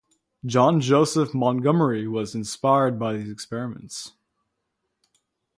John Joseph Montgomery was inspired by these experiments.